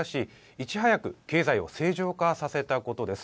いち早く経済を正常化させたことです。